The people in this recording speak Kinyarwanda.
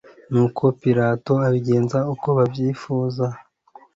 Nuko Pilato abigenza uko babyifuje.